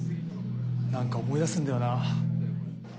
なんか思い出すんだよなぁ。